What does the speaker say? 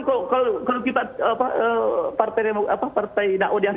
partai dakwah dianggap teroris